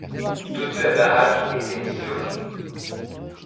Toute la baraque était disloquée.